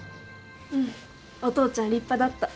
うんお父ちゃん立派だった。